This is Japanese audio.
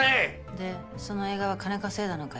でその映画は金稼いだのかよ。